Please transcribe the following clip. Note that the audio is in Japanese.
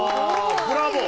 ブラボー。